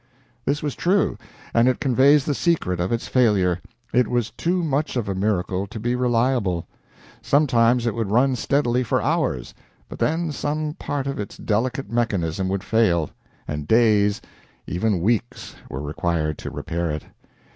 This was true, and it conveys the secret of its failure. It was too much of a miracle to be reliable. Sometimes it would run steadily for hours, but then some part of its delicate mechanism would fail, and days, even weeks, were required to repair it.